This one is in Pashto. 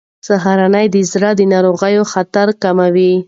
سهارنۍ د زړه د ناروغۍ خطر کموي.